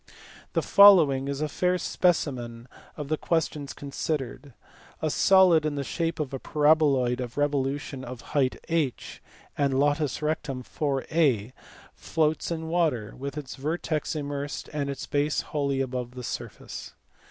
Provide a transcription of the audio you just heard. The following is a fair specimen of the questions considered. A solid in the shape of a paraboloid of revolution of height h and latus rectum 4a floats in water, with its vertex immersed and its base wholly above the surface.